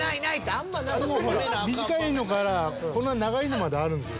あれもほら短いのからこんな長いのまであるんですよ。